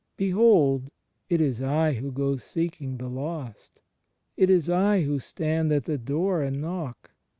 Behold, it is I who go seeking the lost; it is I who stand at the door and knock.